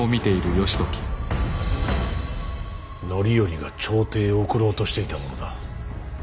範頼が朝廷へ送ろうとしていたものだ。